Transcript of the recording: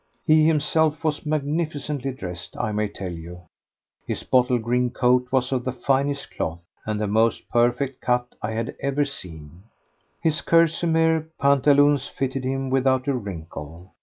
He himself was magnificently dressed, I may tell you. His bottle green coat was of the finest cloth and the most perfect cut I had ever seen. His kerseymere pantaloons fitted him without a wrinkle.